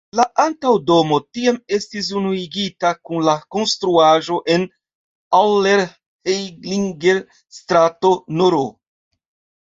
La antaŭa domo tiam estis unuigita kun la konstruaĵo en Allerheiligen-strato nr.